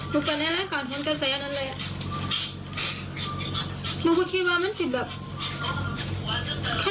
รูปกันคิดว่ามันศิษย์แบบ